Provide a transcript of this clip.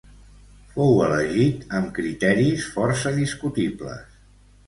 Fou elegit amb criteris força discutibles.